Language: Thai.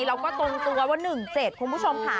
ตรงตัวว่า๑๗คุณผู้ชมค่ะ